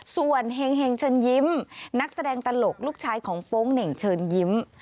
ส่วนเห็งเชิญยิ้มนักแสดงตลกลูกชายของโป๊งเหน่งเชิญยิ้ม